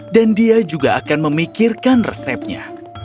dan dia juga akan memikirkan resepnya